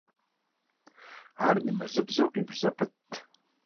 Ар нэмэзыбзэу къибж зэпытт.